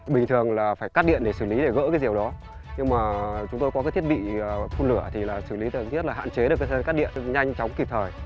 bình thường là phải cắt điện để xử lý để gỡ cái rìu đó nhưng mà chúng tôi có cái thiết bị phun lửa thì xử lý tầm thiết là hạn chế được cái sân cắt điện nhanh chóng kịp thời